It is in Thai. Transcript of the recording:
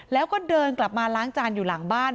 แล้วก็เดินกลับมาล้างจานอยู่หลังบ้าน